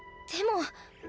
でも。